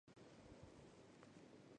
郑绥挟持黎槱退往安朗县。